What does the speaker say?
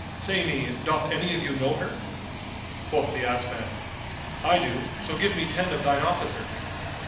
Say me, doth any of you know her?" Quoth the ass man, "I do; so give me ten of thine officers."